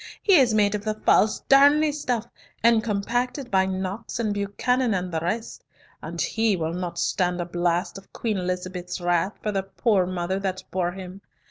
He is made of the false Darnley stuff, and compacted by Knox and Buchanan and the rest, and he will not stand a blast of Queen Elizabeth's wrath for the poor mother that bore him.